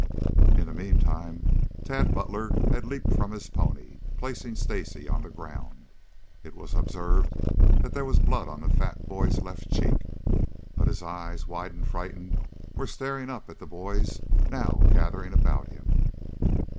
In the meantime, Tad Butler had leaped from his pony, placing Stacy on the ground. It was observed that there was blood on the fat boy's left cheek, but his eyes, wide and frightened, were staring up at the boys now gathering about him.